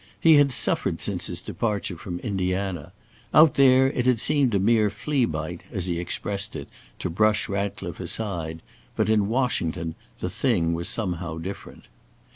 He had suffered since his departure from Indiana. Out there it had seemed a mere flea bite, as he expressed it, to brush Ratcliffe aside, but in Washington the thing was somehow different.